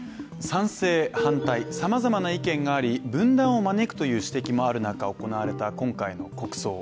賛成、反対、さまざまな意見があり分断を招くという指摘もある中、行われた今回の国葬。